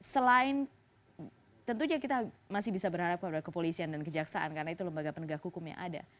selain tentunya kita masih bisa berharap kepada kepolisian dan kejaksaan karena itu lembaga penegak hukum yang ada